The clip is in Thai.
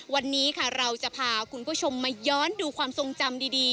วันนี้ค่ะเราจะพาคุณผู้ชมมาย้อนดูความทรงจำดี